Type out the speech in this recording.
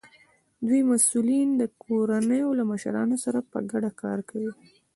د دوی مسؤلین د کورنیو له مشرانو سره په ګډه کار کوي.